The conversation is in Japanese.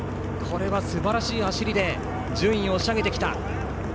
すばらしい走りで順位を押し上げてきた。